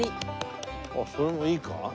あっそれもいいか。